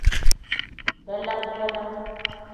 Dalam-dalam.